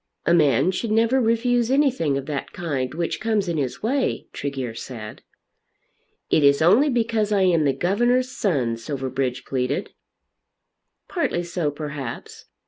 "A man should never refuse anything of that kind which comes in his way," Tregear said. "It is only because I am the governor's son," Silverbridge pleaded. "Partly so perhaps.